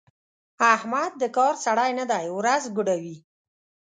احمد د کار سړی نه دی؛ ورځ ګوډوي.